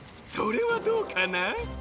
それはどうかな？